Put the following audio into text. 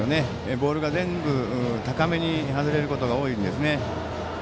ボールが全部高めに外れることが多いですね。